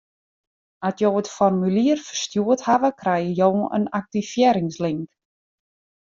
At jo it formulier ferstjoerd hawwe, krijge jo in aktivearringslink.